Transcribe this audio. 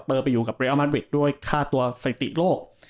เตอร์ไปอยู่กับเรียลมาดริตด้วยฆ่าตัวสัยติโลก